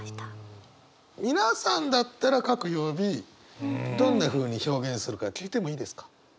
皆さんだったら各曜日どんなふうに表現するか聞いてもいいですか？